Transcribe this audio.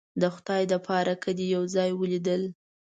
د خدای د پاره که دې یو ځای ولیدل